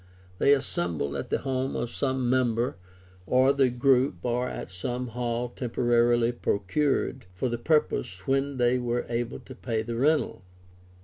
They assembled at the home of some member of the group^or at some hall temporarily procured for the purpose when they were able to pay the rental.